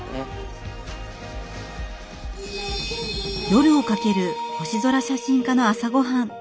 夜をかける星空写真家の朝ごはん